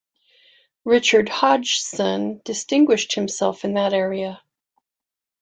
Richard Hodgson distinguished himself in that area.